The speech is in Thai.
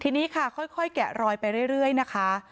ทีนี้ค่ะค่อยแกะรอยไปเรื่อยนะคะ